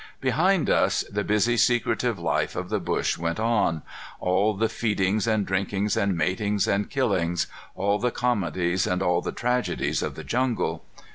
Behind us, the busy, secretive life of the bush went on all the feedings and drinkings and matings and killings, all the comedies and all the tragedies of the jungle.